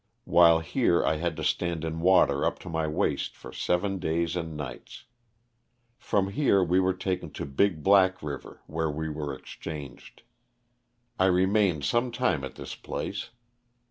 While here I had to stand in water up to my waist for seven days and nights. From here we were taken to Big Black river where we were exchanged. I remained some time at this place.